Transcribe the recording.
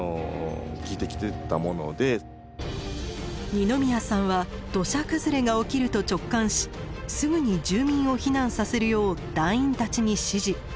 二宮さんは土砂崩れが起きると直感しすぐに住民を避難させるよう団員たちに指示。